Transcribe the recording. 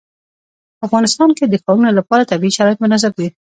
په افغانستان کې د ښارونه لپاره طبیعي شرایط مناسب دي.